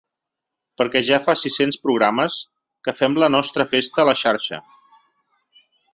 Perquè ja fa sis-cents programes que fem la nostra festa a la xarxa.